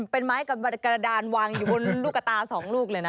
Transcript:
เป็นไม้กระดานวางอยู่บนลูกกระตา๒ลูกเลยนะ